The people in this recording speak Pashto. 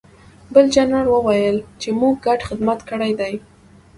بل جنرال وویل چې موږ ګډ خدمت کړی دی